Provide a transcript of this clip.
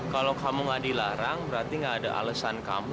kalau kamu nggak dilarang berarti nggak ada alasan kamu